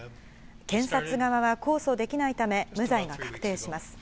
検察側は控訴できないため、無罪が確定します。